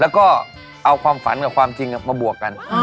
แล้วก็เอาความฝันกับความจริงมาบวกกัน